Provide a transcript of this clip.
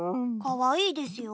かわいいですよ。